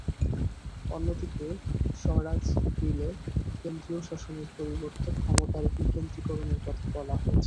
অন্যদিকে স্বরাজ বিলে কেন্দ্রীয় শাসনের পরিবর্তে ক্ষমতার বিকেন্দ্রীকরণের কথা বলা হয়েছে।